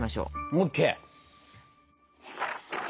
ＯＫ！